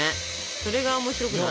それが面白くない？